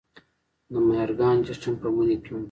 د مهرګان جشن په مني کې و